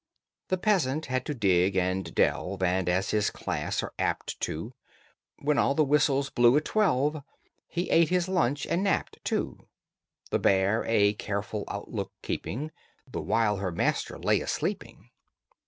The peasant had to dig and delve, And, as his class are apt to, When all the whistles blew at twelve He ate his lunch, and napped, too, The bear a careful outlook keeping The while her master lay a sleeping.